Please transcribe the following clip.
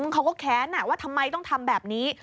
เขาก็แค้นว่าทำไมต้องทำแบบนี้